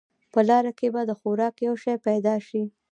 په لاره کې به د خوراک یو شی پیدا شي.